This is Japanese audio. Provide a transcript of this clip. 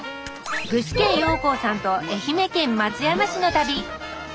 具志堅用高さんと愛媛県松山市の旅。